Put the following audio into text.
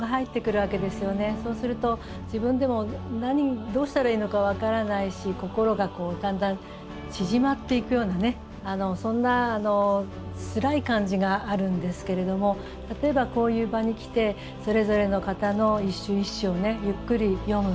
そうすると自分でもどうしたらいいのか分からないし心がだんだん縮まっていくようなそんなつらい感じがあるんですけれども例えばこういう場に来てそれぞれの方の一首一首をゆっくり読む。